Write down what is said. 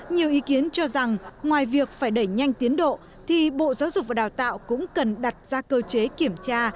nhiều ý kiến cho rằng ngoài việc phải đẩy nhanh tiến độ thì bộ giáo dục và đào tạo cũng cần đặt ra cơ chế kiểm tra